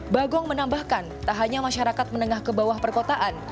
bagong menambahkan tak hanya masyarakat menengah ke bawah perkotaan